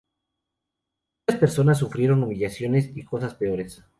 Muchas personas sufrieron humillaciones y cosas peores.